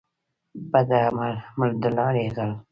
بد عمل دلاري غل.